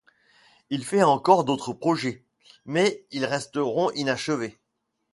Il fait encore d'autres projets, mais ils resteront inachevés.